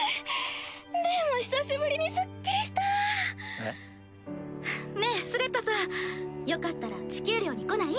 でも久しぶりにすっきりした！えっ？ねえスレッタさんよかったら地球寮に来ない？